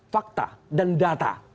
fakta dan data